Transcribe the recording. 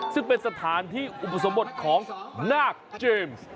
ซึ่งเป็นสถานที่อุปสมบทของนาคเจมส์